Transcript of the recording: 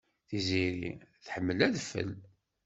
Tiziri tḥemmel adfel.